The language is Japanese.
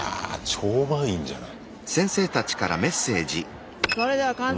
超満員じゃない。